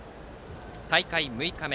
大会６日目